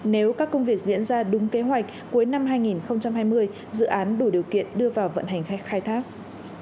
nếu các công việc diễn ra đúng kế hoạch cuối năm hai nghìn hai mươi dự án đủ điều kiện đưa vào vận hành khai thác